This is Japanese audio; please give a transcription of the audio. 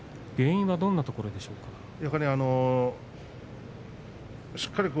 原因はどんなところでしょうか。